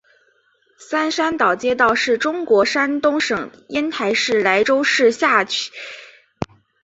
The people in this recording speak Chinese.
三山岛街道是中国山东省烟台市莱州市下辖的一个街道。